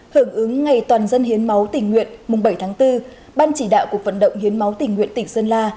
hưởng ứng ngày toàn dân hiến máu tỉnh nguyện mùng bảy tháng bốn ban chỉ đạo cuộc vận động hiến máu tỉnh nguyện tỉnh sơn la